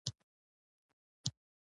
ټکټاک د ریښتیني تعامل پلاتفورم دی.